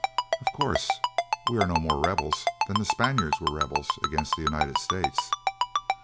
Of course, we are no more rebels than the Spaniards were rebels against the United States.